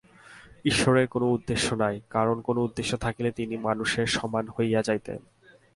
ঈশ্বরের কোন উদ্দেশ্য নাই, কারণ কোন উদ্দেশ্য থাকিলে তিনি মানুষের সমান হইয়া যাইতেন।